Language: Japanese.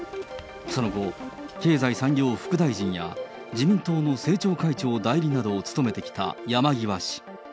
その後、経済産業副大臣や自民党の政調会長代理などを務めてきた山際氏。